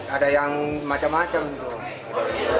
ada yang macam macam tuh